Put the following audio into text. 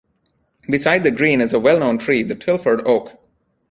Beside the green is a well-known tree, the Tilford Oak.